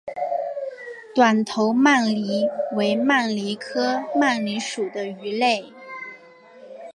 短头鳗鲡为鳗鲡科鳗鲡属的鱼类。